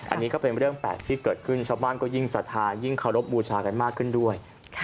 อันนี้ก็เป็นเรื่องแปลกที่เกิดขึ้นชาวบ้านก็ยิ่งสัทธายิ่งเคารพบูชากันมากขึ้นด้วย